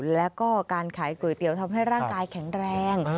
แล้วก็การขายก๋วยเตี๋ยวทำให้ร่างกายแข็งแรง